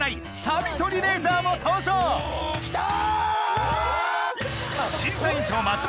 サビ取りレーザーも登場きた！